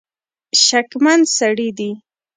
شکمن سړي دي.